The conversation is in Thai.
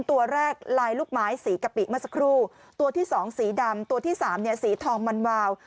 ตัวแรกลายลูกไม้สีกะปิเมื่อสักครู่ตัวที่สองสีดำตัวที่สามเนี่ยสีทองมันวาว